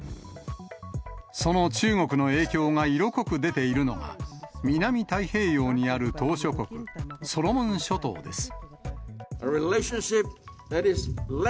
その中国の影響が色濃く出ているのが、南太平洋にある島しょ国、ソロモン諸島です。